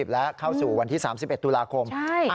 และเข้าสู่วันที่๓๑ตุลาคม